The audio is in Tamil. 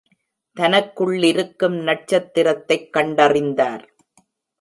தனக்குள்ளிருக்கும் நட்சத்திரத்தைக் கண்டறிந்தார்.